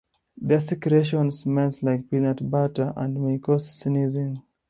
Their secretions smell like peanut butter and may cause sneezing.